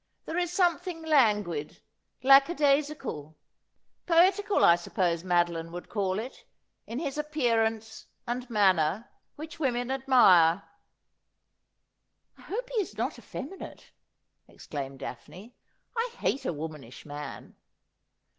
There is some thing languid, lackadaisical — poetical, I suppose Madoline would call it — in his appearance and manner which women admire.' ' I hope he is not effeminate,' exclaimed Daphne. ' I hate a womanish man.'